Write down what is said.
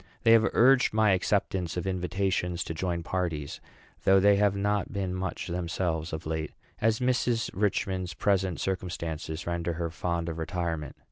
They have urged my acceptance of invitations to join parties; though they have not been much themselves of late, as Mrs. Richman's present circumstances render her fond of retirement.